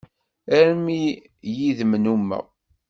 Armi yid-m nnumeɣ.